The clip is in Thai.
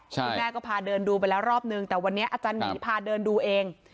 คุณแม่ก็พาเดินดูไปแล้วรอบนึงแต่วันนี้อาจารย์หมีพาเดินดูเอง